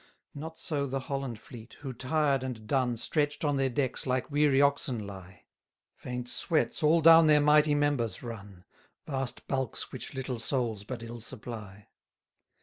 70 Not so the Holland fleet, who, tired and done, Stretch'd on their decks like weary oxen lie; Faint sweats all down their mighty members run; Vast bulks which little souls but ill supply.